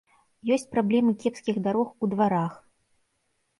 Ёсць праблемы кепскіх дарог у дварах.